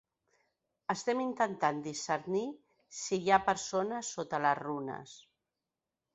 Estem intentant discernir si hi ha persones sota les runes.